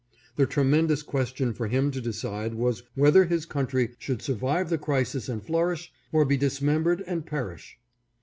The tremendous question for him to decide was whether his country should survive the crisis and flourish, or be dismembered and perish.